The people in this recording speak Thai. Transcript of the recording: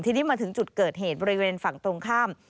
ทีนี้มาถึงจุดเกิดเหตุบริเวณฝั่งตรงข้าม